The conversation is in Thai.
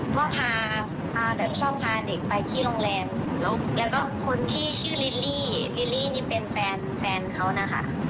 ก็พาแบบชอบพาเด็กไปที่โรงแรมแล้วก็คนที่ชื่อลิลลี่ลิลลี่นี่เป็นแฟนแฟนเขานะคะ